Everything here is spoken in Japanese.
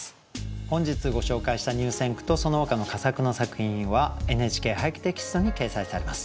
本日ご紹介した入選句とそのほかの佳作の作品は「ＮＨＫ俳句」テキストに掲載されます。